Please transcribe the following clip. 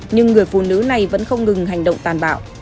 nhưng người phụ nữ này vẫn không ngừng hành động tàn bạo